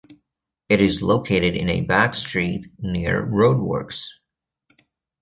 It is located in a back street, near roadworks.